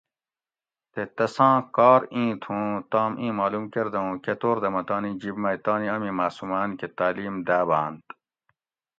تے تساں کار ایں تھو اوں تام ایں معلوم کۤردہ اوں کہ طور دہ مۤہ تانی جِب مئی تانی امی معصوماۤن کہ تعلیم داواۤنت